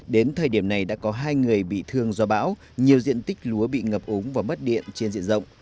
đến thời điểm này đã có hai người bị thương do bão nhiều diện tích lúa bị ngập ống và mất điện trên diện rộng